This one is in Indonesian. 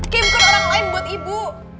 kay bukan orang lain buat ibu